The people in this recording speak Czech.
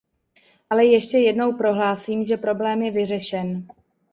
Ale ještě jednou prohlásím, že problém je vyřešen.